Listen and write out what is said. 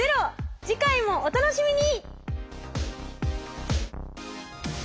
次回もお楽しみに！